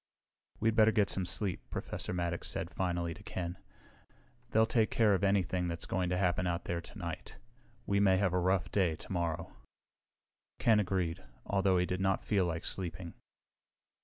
"We'd better get some sleep," Professor Maddox said finally to Ken. "They'll take care of anything that's going to happen out there tonight. We may have a rough day tomorrow." Ken agreed, although he did not feel like sleeping.